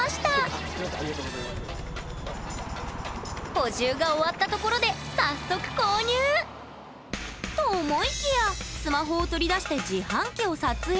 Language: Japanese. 補充が終わったところで早速購入！と思いきやスマホを取り出して自販機を撮影。